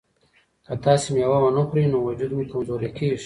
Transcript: که تاسي مېوه ونه خورئ نو وجود مو کمزوری کیږي.